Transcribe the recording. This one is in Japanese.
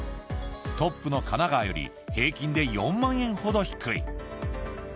トップの神奈川より平均で４万円ほど低い。